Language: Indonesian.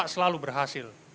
dan selalu berhasil